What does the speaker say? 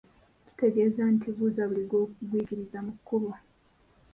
Kitegeeza nti buuza buli gw’ogwikiriza mu kkubo.